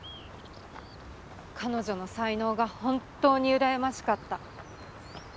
彼女の才能が本当にうらやましかった。